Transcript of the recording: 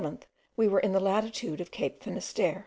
On the 7th we were in the latitude of Cape Finisterre.